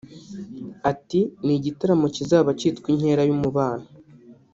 Ati “Ni igitaramo kizaba cyitwa ‘Inkera y’Umubano’